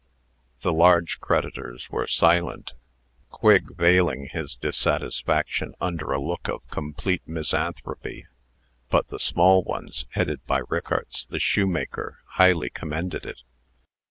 The large creditors were silent Quigg veiling his dissatisfaction under a look of complete misanthropy but the small ones, headed by Rickarts, the shoemaker, highly commended it.